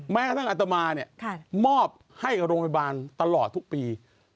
แม้ท่านอัตมาเนี่ยมอบให้กับโรงพยาบาลตลอดทุกปี